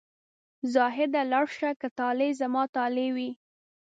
زاهده لاړ شه که طالع زما طالع وي.